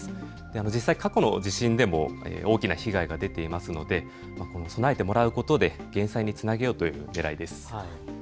実際、過去の地震でも大きな被害が出ていますので備えてもらうことで減災につなげようというねらいです。